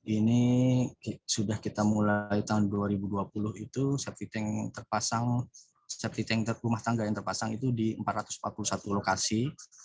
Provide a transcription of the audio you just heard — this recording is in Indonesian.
ini sudah kita mulai tahun dua ribu dua puluh itu safety tank terpasang safety tank truk rumah tangga yang terpasang itu di empat ratus empat puluh satu lokasi